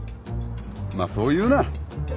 まっそう言うな。